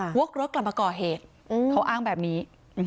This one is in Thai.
วกรถกลับมาก่อเหตุเขาอ้างแบบนี้